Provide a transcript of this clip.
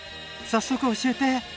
早速教えて。